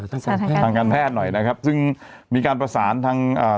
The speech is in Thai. ทางการแพทย์ทางการแพทย์หน่อยนะครับซึ่งมีการประสานทางอ่า